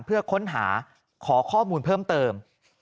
เพื่อค้นหาขอข้อมูลเพิ่มเติม